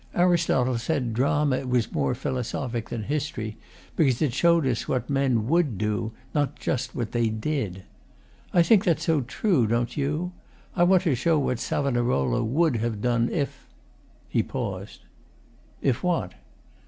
Aristotle said drama was more philosophic than history because it showed us what men WOULD do, not just what they DID. I think that's so true, don't you? I want to show what Savonarola WOULD have done if ' He paused. 'If what?